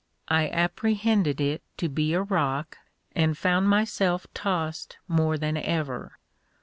I apprehended it to be a rock, and found myself tossed more than ever.